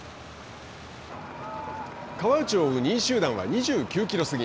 川内を追う２位集団は２９キロ過ぎ。